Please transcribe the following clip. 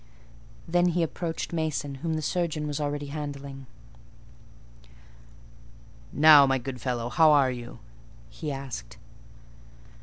Then he approached Mason, whom the surgeon was already handling. "Now, my good fellow, how are you?" he asked.